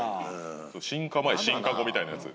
進化前進化後みたいなやつ。